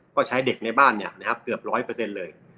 ก็ใช้เด็กในบ้านเนี่ยนะครับเกือบร้อยเปอร์เซ็นต์เลย